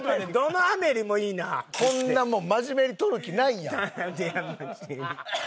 こんなもん真面目に撮る気ないやん。